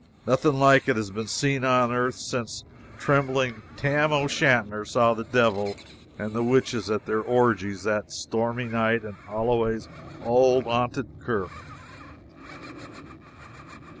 Nothing like it has been seen on earth since trembling Tam O'Shanter saw the devil and the witches at their orgies that stormy night in "Alloway's auld haunted kirk."